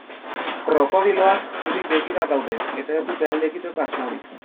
Krokodiloak guri begira daude eta ez dute alde egiteko asmorik.